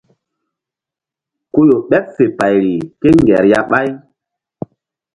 Ku ƴo ɓeɓ fe payri kéŋger ya ɓáy.